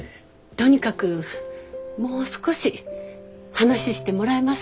とにかくもう少し話してもらえますか？